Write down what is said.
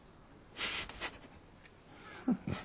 フフフ。